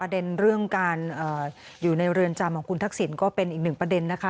เรื่องการอยู่ในเรือนจำของคุณทักษิณก็เป็นอีกหนึ่งประเด็นนะคะ